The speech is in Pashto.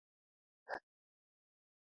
د اونۍ ورځ لومړنۍ د ښوونځي ورځ وي